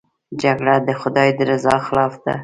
جګړه د خدای د رضا خلاف ده